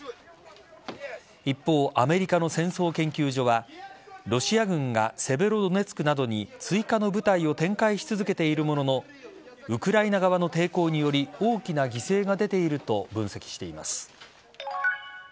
一方、アメリカの戦争研究所はロシア軍がセベロドネツクなどに追加の部隊を展開し続けているもののウクライナ側の抵抗により大きな犠牲が出ていると分析しています。